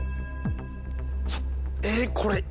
えぇこれ。